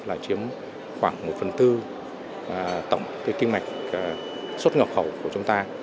là chiếm khoảng một phần tư tổng cái kinh mạch xuất ngập khẩu của chúng ta